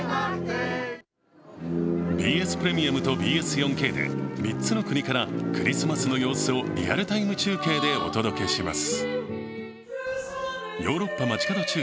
ＢＳプレミアムとＢＳ４Ｋで３つの国からクリスマスの様子をリアルタイム中継でお届けします。